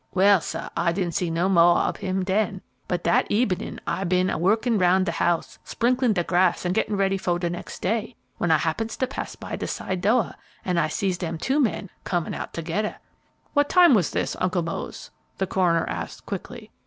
Well, sah, I didn' see no moah ob 'im den; but dat ebenin' I'd ben a workin' roun' de house, sprinklin' de grass and gettin' ready foh de nex' day, when I happens to pass by de side dooh, an' I sees dem two men comm' out togedder." "What time was this, Uncle Mose?" the coroner asked, quickly.